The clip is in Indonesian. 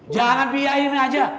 jangan biayain aja